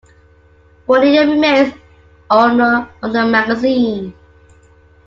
Bonnier remains owner of the magazine.